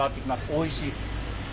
おいしい。